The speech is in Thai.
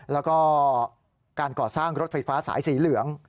แล้วก็การก่อสร้างรถไฟฟ้าสายสีเหลือง